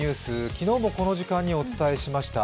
昨日もこの時間にお伝えしました